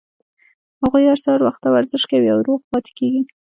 هغوي هره ورځ سهار وخته ورزش کوي او روغ پاتې کیږي